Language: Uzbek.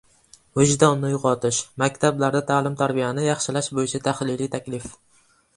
«Vijdonni uyg‘otish»: maktablarda ta’lim-tarbiyani yaxshilash bo‘yicha tahliliy taklif